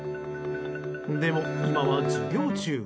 でも、今は授業中。